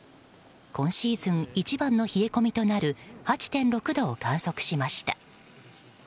今シーズン一番の冷え込みとなる８．６度を観測しました。